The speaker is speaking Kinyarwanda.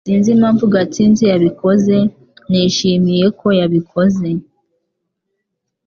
Sinzi impamvu Gatsinzi yabikoze Nishimiye ko yabikoze